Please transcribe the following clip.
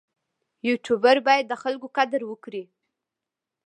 یوټوبر باید د خلکو قدر وکړي.